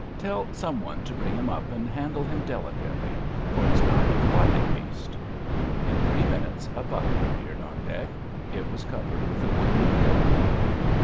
Tell some one to bring him up, and handle him delicately, for he's not a quiet beast." In three minutes a bucket appeared on deck. It was covered with a wooden lid.